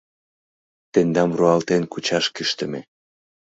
Тендам руалтен кучаш кӱштымӧ!